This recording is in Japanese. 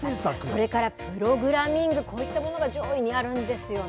それからプログラミング、こういったものが上位にあるんですよね。